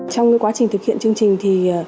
trong quá trình thực hiện chương trình